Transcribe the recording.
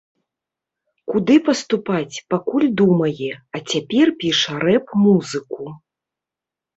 Куды паступаць, пакуль думае, а цяпер піша рэп-музыку.